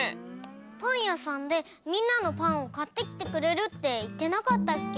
パンやさんでみんなのパンをかってきてくれるっていってなかったっけ？